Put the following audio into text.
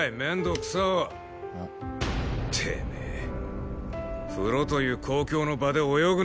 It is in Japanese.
てめえ風呂という公共の場で泳ぐな。